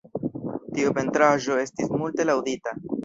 Tiu pentraĵo estis multe laŭdita.